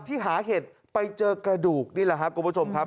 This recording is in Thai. ที่หาเห็ดไปเจอกระดูกนี่แหละครับคุณผู้ชมครับ